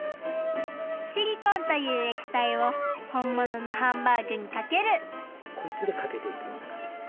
シリコンというえきたいをほんもののハンバーグにかけるこいつでかけていくようなかんじで。